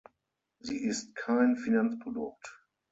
Sie ist kein Finanzprodukt.